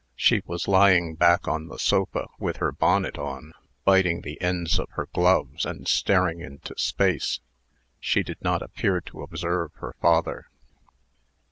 She was lying back on the sofa, with her bonnet on, biting the ends of her gloves, and staring into space. She did not appear to observe her father.